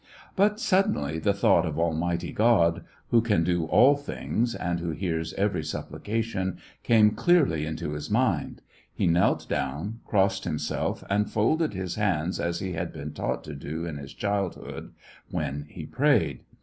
SEVASTOPOL IN AUGUST, 189 But suddenly the thought of Almighty God, who can do all things, and who hears every sup plication, came clearly into his mind. He knelt down, crossed himself, and folded his hands as he had been taught to do in his childhood, when he prayed.